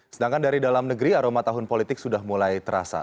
sedangkan dari dalam negeri aroma tahun politik sudah mulai terasa